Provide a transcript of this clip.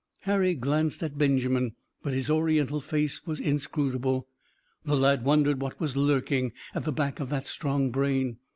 Harry glanced at Benjamin, but his Oriental face was inscrutable. The lad wondered what was lurking at the back of that strong brain.